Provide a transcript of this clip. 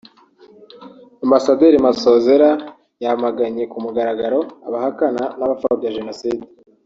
Ambasaderi Masozera yamaganye ku mugaragaro abahakana n’abapfobya Jenoside